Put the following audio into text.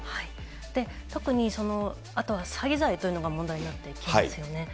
特にあとは、詐欺罪というのが問題になっていきますよね。